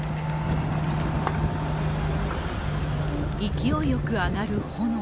勢いよく上がる炎。